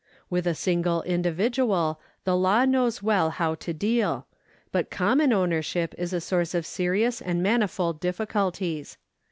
With a single individual the law knows well how to deal, but common ownership is a source of serious and manifold difficulties.